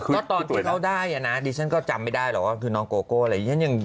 ก็ตอนที่เขาได้อ่ะนะดิฉันก็จำไม่ได้หรอกว่าน้องโกโก้อะไร